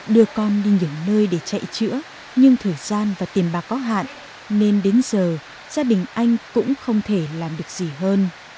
đưa con đi những nơi để chạy chữa nhưng thời gian và tiền bạc có hạn nên đến giờ gia đình anh cũng không thể làm được gì hơn